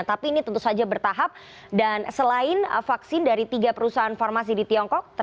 tapi ini tentu saja bertahap dan selain vaksin dari tiga perusahaan farmasi di tiongkok